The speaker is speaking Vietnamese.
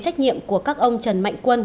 trách nhiệm của các ông trần mạnh quân